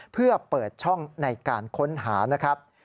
เพื่อเปิดช่องในการค้นหานะครับ